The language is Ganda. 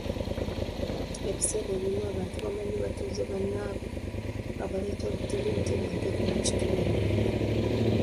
Ebiseera ebimu abantu bamanyi batuuze bannabwe abaleeta obutali butebenkevu mu kitundu.